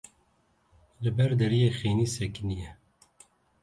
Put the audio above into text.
Li ber deriyê xênî sekiniye.